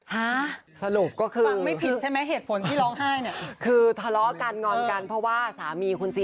ฮะสรุปก็คือฟังไม่ผิดใช่ไหมเหตุผลที่ร้องไห้เนี่ยคือทะเลาะกันงอนกันเพราะว่าสามีคุณซี